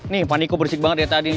nih pak niko bersik banget ya tadi